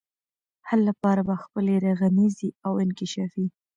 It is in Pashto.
حل لپاره به خپلي رغنيزي او انکشافي